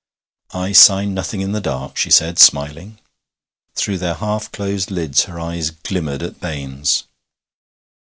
'I sign nothing in the dark,' she said, smiling. Through their half closed lids her eyes glimmered at Baines.